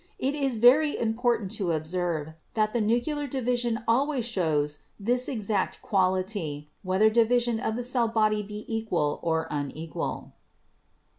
It is very important to observe that the nuclear division always shows this exact quality, whether division of the cell body be equal or unequal.